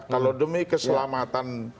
kalau demi keselamatan